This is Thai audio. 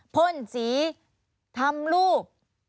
พ่นสีทำรูป